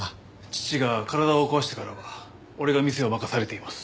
父が体を壊してからは俺が店を任されています。